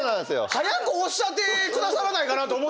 早くおっしゃってくださらないかなと思いながら。